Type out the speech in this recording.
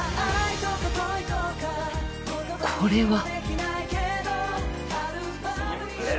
これは